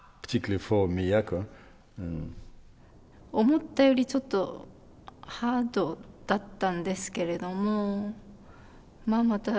思ったよりちょっとハードだったんですけれどもまあまた